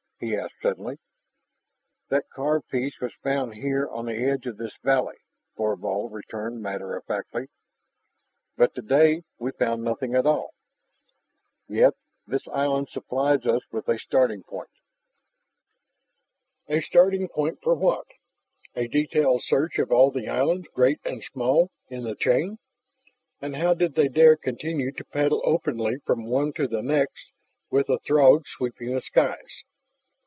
he asked suddenly. "That carved piece was found here on the edge of this valley," Thorvald returned matter of factly. "But today we found nothing at all " "Yet this island supplies us with a starting point." A starting point for what? A detailed search of all the islands, great and small, in the chain? And how did they dare continue to paddle openly from one to the next with the Throgs sweeping the skies?